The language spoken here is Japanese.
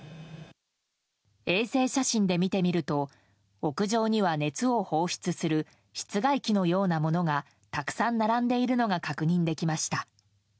衛星写真で見てみると屋上には熱を放出する室外機のようなものがたくさん並んでいるのが確認できました。